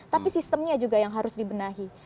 tapi sistemnya juga yang harus dibenahi